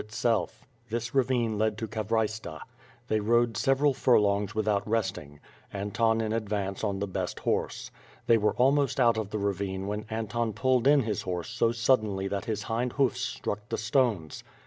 itself, This ravine lead to Kavraytsa, They rode several furlongs without resting, Anton in advance on the best horse. They were almost out of the ravine when Anton pulled in his horse so suddenly that his hind hoofs struck the stones.